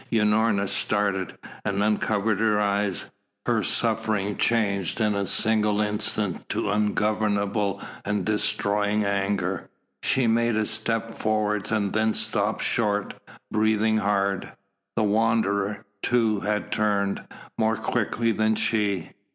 Unorna started and uncovered her eyes, her suffering changed in a single instant to ungovernable and destroying anger. She made a step forwards and then stopped short, breathing hard. The Wanderer, too, had turned, more quickly than she.